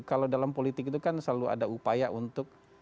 kalau dalam politik itu kan selalu ada upaya untuk